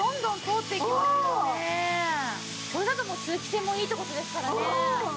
これだと通気性もいいって事ですからね。